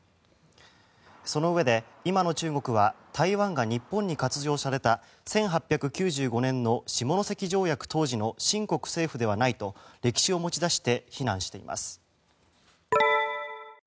そのうえで今の中国は台湾が日本に割譲された１８９５年の下関条約当時の清国政府ではないと歴史を持ち出して非難しています。